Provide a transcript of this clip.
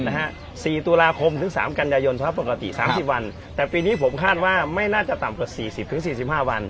สี่ตุลาคมถึงสามกันยายนเพราะปกติสามสิบวันแต่ปีนี้ผมคาดว่าไม่น่าจะต่ำกว่าสี่สิบถึงสี่สิบห้าวัน